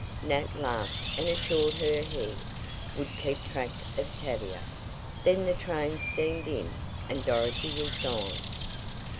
Nat laughed and assured her he "would keep track of Tavia." Then the train steamed in, and Dorothy was gone.